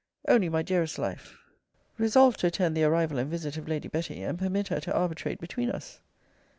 Only, my dearest life, resolve to attend the arrival and visit of Lady Betty; and permit her to arbitrate between us.